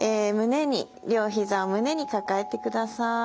両ひざを胸に抱えてください。